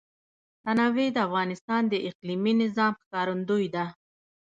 تنوع د افغانستان د اقلیمي نظام ښکارندوی ده.